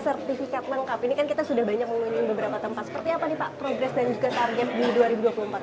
seperti apa nih pak progres dan juga target di dua ribu dua puluh empat